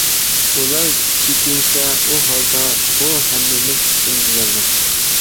ئۇلار چېكىنسە ئۇ ھالدا بۇ ھەممىمىز ئۈچۈن زىيانلىق.